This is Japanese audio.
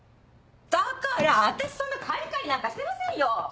だから私そんなカリカリなんかしてませんよ！